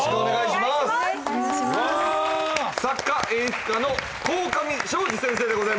作家・演出家の鴻上尚史先生でございます